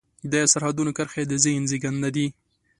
د سرحدونو کرښې د ذهن زېږنده دي.